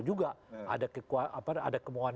juga ada kemohonan